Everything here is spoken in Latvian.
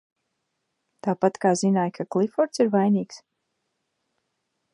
Tāpat, kā zināji, ka Klifords ir vainīgs?